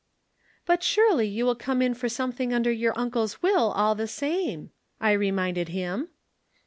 "'But surely you will come in for something under your uncle's will all the same,' I reminded him.